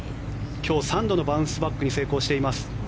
今日３度のバウンスバックに成功しています。